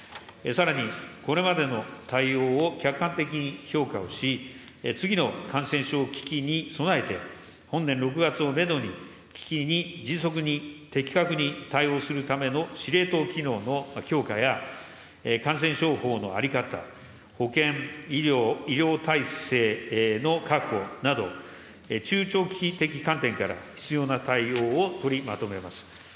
さらにこれまでの対応を客観的に評価をし、次の感染症危機に備えて、本年６月をメドに、危機に迅速に的確に対応するための司令塔機能の強化や、感染症法の在り方、保健、医療、医療体制の確保など、中長期的観点から必要な対応を取りまとめます。